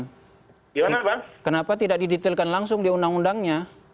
gimana bang kenapa tidak didetilkan langsung di undang undangnya